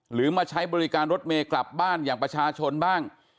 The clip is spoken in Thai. มาใช้บริการรถเมย์กลับบ้านอย่างประชาชนบ้าง